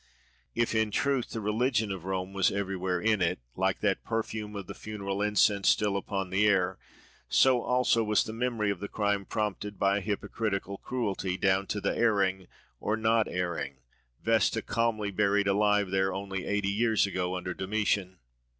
If in truth the religion of Rome was everywhere in it, like that perfume of the funeral incense still upon the air, so also was the memory of crime prompted by a hypocritical cruelty, down to the erring, or not erring, Vesta calmly buried alive there, only eighty years ago, under Domitian.